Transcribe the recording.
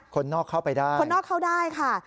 คนนอกเข้าไปได้คนนอกเข้าได้ค่ะ